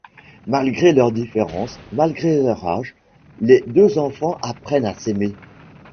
Malgré leurs différences, malgré leur âge, les deux enfants apprennent à s’aimer.